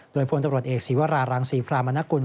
โดยพลตรวจเอกศีวรารางสีภามานกุล